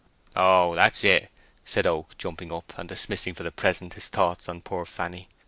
"Oh, that's it," said Oak, jumping up, and dimissing for the present his thoughts on poor Fanny.